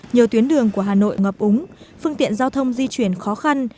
nhiều tuyến đường của hà nội ngập úng phương tiện giao thông di chuyển khó khăn